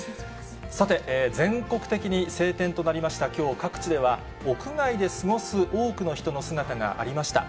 さて、全国的に晴天となりましたきょう、各地では、屋外で過ごす多くの人の姿がありました。